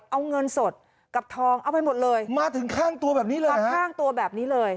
เอาเงินสดกับทองเอาไปหมดเลยมาถึงข้างตัวแบบนี้เลยมาข้างตัวแบบนี้เลย